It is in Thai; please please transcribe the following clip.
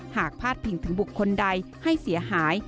พาดพิงถึงบุคคลใดให้เสียหาย